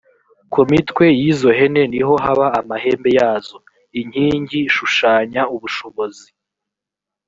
ku mitwe yizo hene niho haba amahembe yazo. inkingi shushanya ubushobozi.